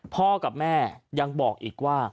พ่อกับแม่ยังบอกอีกว่า